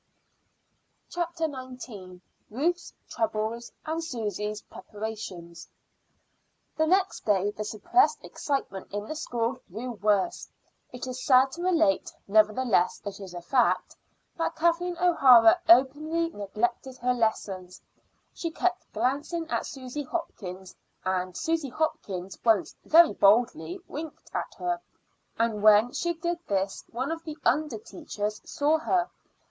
CHAPTER XIX. RUTH'S TROUBLES AND SUSY'S PREPARATIONS. The next day the suppressed excitement in the school grew worse. It is sad to relate, nevertheless it is a fact, that Kathleen O'Hara openly neglected her lessons. She kept glancing at Susy Hopkins, and Susy Hopkins once very boldly winked at her; and when she did this one of the under teachers saw her.